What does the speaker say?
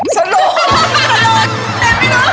ฉันรู้ฉันรู้แต่ไม่รู้